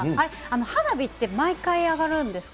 花火って、毎回、上がるんですか。